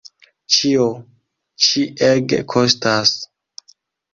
Ĉio ĉi ege kostas.